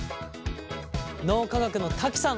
脳科学の瀧さん